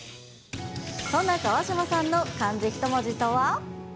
そんな川島さんの漢字一文字とは。